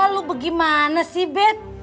lu bagaimana sih bet